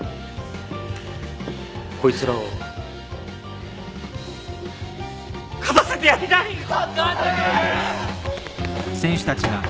こいつらを勝たせてやりたい！監督！